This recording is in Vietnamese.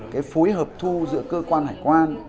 cái phối hợp thu giữa cơ quan hải quan